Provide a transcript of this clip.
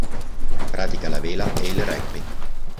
Pratica la vela e il rugby.